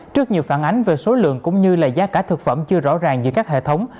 trước nhiều phản ánh về số lượng cũng như là giá cả thực phẩm chưa rõ ràng giữa các hệ thống